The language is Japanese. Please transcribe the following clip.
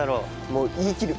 もう言いきる。